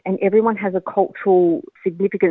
dan semua orang memiliki sebuah cerita kultur yang signifikan